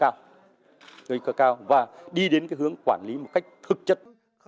nguy cơ cao và đi đến hướng quản lý một cách thực chất